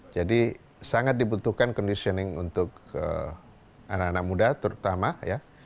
jadi sangat dibutuhkan conditioning untuk anak anak muda terutama ya